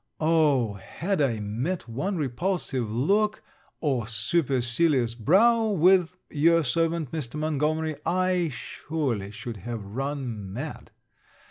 Oh! had I met one repulsive look, or supercilious brow, with your servant, Mr. Montgomery I surely should have run mad!